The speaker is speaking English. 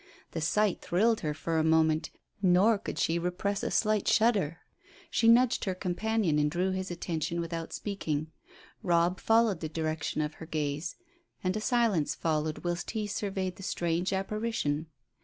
The sight thrilled her for a moment, nor could she repress a slight shudder. She nudged her companion and drew his attention without speaking. Robb followed the direction of her gaze, and a silence followed whilst he surveyed the strange apparition.